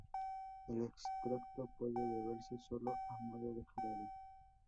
El extracto puede beberse solo a modo de jarabe.